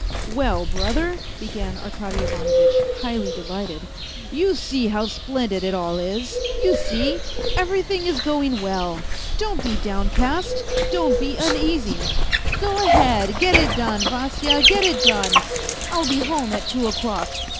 " Well, brother," began Arkady Ivanovitch, highly delighted, '' you see how splendid it all is ; you see. Everything is going well, don't be downcast, don't be uneasy. Go ahead 1 Get it done, Vasya, get it done. I'll be home at two o'clock.